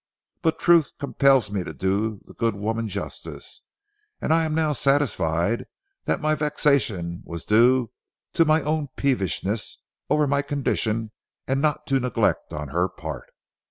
But truth compels me to do that good woman justice, and I am now satisfied that my vexation was due to my own peevishness over my condition and not to neglect on her part.